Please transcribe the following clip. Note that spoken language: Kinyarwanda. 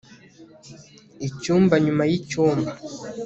icyumba nyuma yicyumba